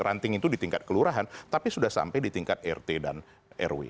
ranting itu di tingkat kelurahan tapi sudah sampai di tingkat rt dan rw